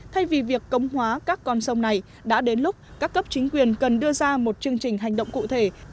thay vì việc cống hóa các con sông này đã đến lúc các cấp chính quyền cần đưa ra một chương trình hành động cụ thể